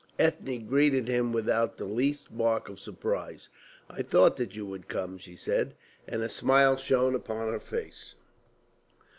Ethne greeted him without the least mark of surprise. "I thought that you would come," she said, and a smile shone upon her face.